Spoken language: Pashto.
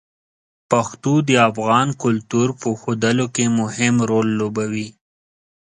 پښتو د افغان کلتور په ښودلو کې مهم رول لوبوي.